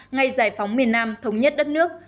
ngày giải phóng miền nam thống nhất đất nước